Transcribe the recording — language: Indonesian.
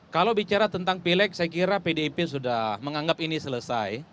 kalau bicara tentang pileg saya kira pdip sudah menganggap ini selesai